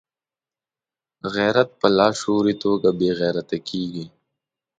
غیرت په لاشعوري توګه بې غیرته کېږي.